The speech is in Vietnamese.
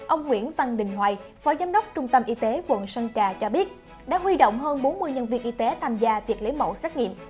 ông nguyễn văn đình hoài phó giám đốc trung tâm y tế quận sơn trà cho biết đã huy động hơn bốn mươi nhân viên y tế tham gia việc lấy mẫu xét nghiệm